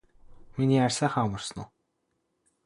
миний хайр сайхан амарсан уу